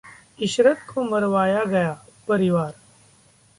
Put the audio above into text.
इशरत को मरवाया गया: परिवार